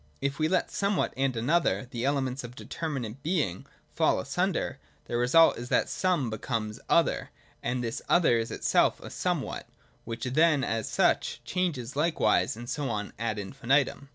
If we let somewhat and another, the elements of determi nate Being, fall asunder, the result is that some becomes other, and this other is itself a somewhat, which then as such changes likewise, and so on ad infinitum.